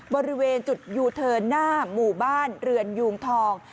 บริเวณจุดยูเทิร์นหน้าหมู่บ้านเรือนยูงทอง